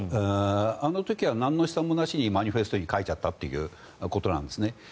あの時はなんの試算もなしにマニフェストに書いちゃったということです。